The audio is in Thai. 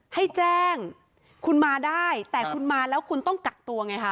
ให้แจ้งคุณมาได้แต่คุณมาแล้วคุณต้องกักตัวไงคะ